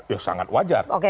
ya sangat wajar